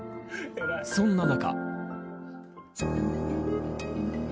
そんな中。